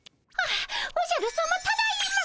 あおじゃるさまただいま。